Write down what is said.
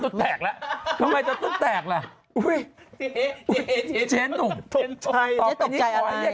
ตุ๊ดแตกแล้วทำไมจะตุ๊ดแตกล่ะอุ้ยเจ๊หนุ่มตกใจตกใจอันไหน